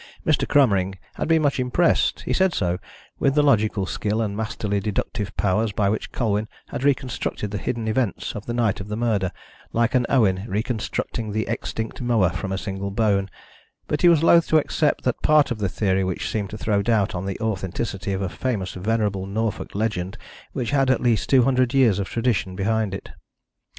Mr. Cromering had been much impressed he said so with the logical skill and masterly deductive powers by which Colwyn had reconstructed the hidden events of the night of the murder, like an Owen reconstructing the extinct moa from a single bone, but he was loath to accept that part of the theory which seemed to throw doubt on the authenticity of a famous venerable Norfolk legend which had at least two hundred years of tradition behind it.